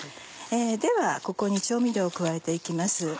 ではここに調味料を加えて行きます。